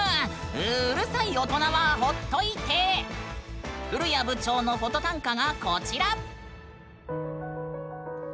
うるさい大人はほっといて古谷部長のフォト短歌がこちら！